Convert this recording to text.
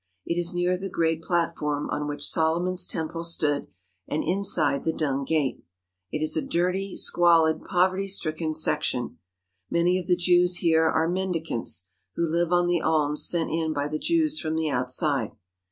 It is near the great plat form on which Solomon's Temple stood and inside the Dung Gate. It is a dirty, squalid, poverty stricken sec tion. Many of the Jews here are mendicants, who live on the alms sent in by the Jews from the outside.